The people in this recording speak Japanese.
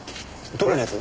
どこのやつ？